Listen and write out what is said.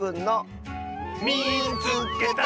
「みいつけた！」。